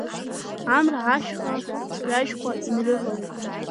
Амра ашьха цәҩажьқәа инрывалеит.